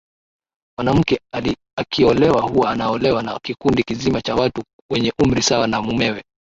mwanamke akiolewa huwa anaolewa na kikundi kizima cha watu wenye umri sawa na mumewe